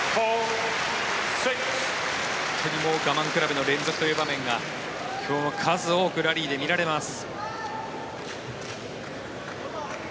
本当に我慢比べの連続という場面が今日も数多くラリーで見られます。